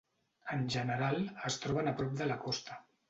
En general, es troben a prop de la costa.